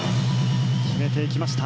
決めていきました。